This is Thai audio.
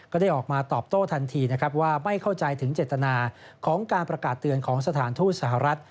ก็ได้ออกมาตอบโต้ทันทีนะครับว่าไม่เข้าใจถึงเจตนาของการประกาศเตือนของสถานทูตสหรัฐ